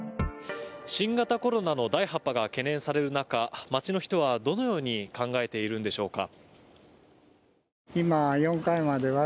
新型コロナの第８波が懸念される中街の人はどのように考えているんでしょうか。